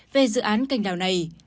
về dự án canh đào này